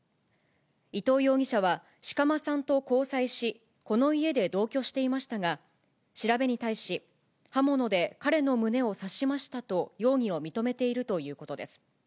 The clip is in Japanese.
伊藤容疑者は、志鎌さんと交際し、この家で同居していましたが、調べに対し、刃物で彼の胸を刺しましたと、容疑を認めているということです。